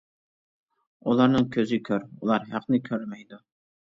ئۇلارنىڭ كۆزى كور ئۇلار ھەقنى كۆرمەيدۇ.